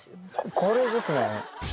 これですね。